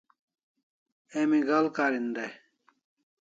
Emi ga'al karin dai?